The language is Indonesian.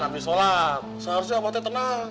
ambil sholat seharusnya abah tenang